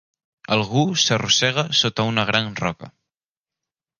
Algú s'arrossega sota una gran roca.